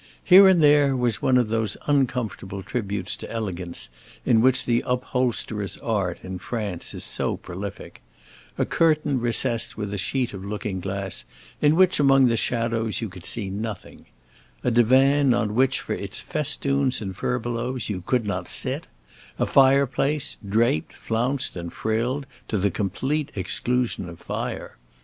Here and there was one of those uncomfortable tributes to elegance in which the upholsterer's art, in France, is so prolific; a curtain recess with a sheet of looking glass in which, among the shadows, you could see nothing; a divan on which, for its festoons and furbelows, you could not sit; a fireplace draped, flounced, and frilled to the complete exclusion of fire.